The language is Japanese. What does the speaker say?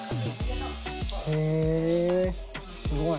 へえすごい。